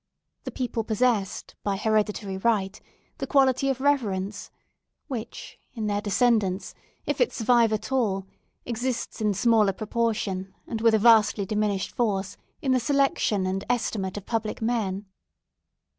The people possessed by hereditary right the quality of reverence, which, in their descendants, if it survive at all, exists in smaller proportion, and with a vastly diminished force in the selection and estimate of public men.